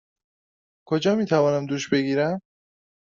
کجا می توانم دوش بگیرم؟